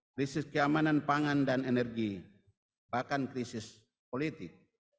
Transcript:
krisis keamanan pangan dan energi bahkan krisis politik